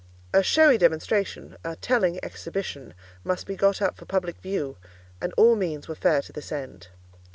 A showy demonstration—a telling exhibition—must be got up for public view, and all means were fair to this end.